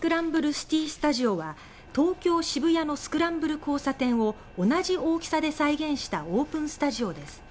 シティスタジオは東京・渋谷のスクランブル交差点を同じ大きさで再現したオープンスタジオです。